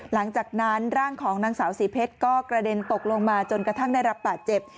หลังจากนั้นร่างของนางสาวสีเพชรก็กระเด็นตกลงมาจนกระทั่งได้รับบาดเจ็บ